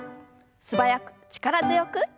素早く力強く。